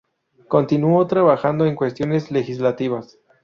Continúo trabajando en cuestiones legislativas.